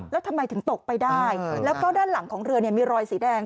แล้วทำไมถึงตกไปได้แล้วก็ด้านหลังของเรือมีรอยสีแดง